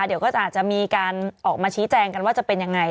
เดี๋ยวก็อาจจะมีการออกมาชี้แจงกันว่าจะเป็นยังไง